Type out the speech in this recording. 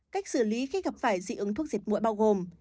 cách xử lý khi gặp phải dị ứng thuốc diệt mũi bao gồm